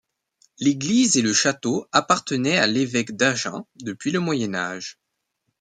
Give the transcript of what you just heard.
L'église et le château appartenaient à l'évêque d'Agen depuis le Moyen Âge.